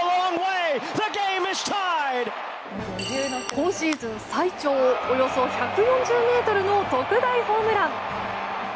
今シーズン最長およそ１４０ｍの特大ホームラン！